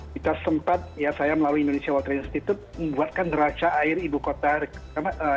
kita sempat ya saya melalui indonesia water institute membuatkan deraca air ibu kota jakarta